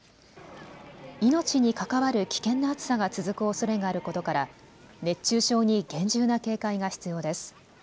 命に関わる危険な暑さが続くおそれがあることから熱中症に厳重な警戒が必要です。